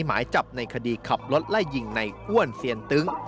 หมายจับในคดีขับรถไล่ยิงในอ้วนเซียนตึ้ง